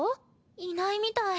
いないみたい。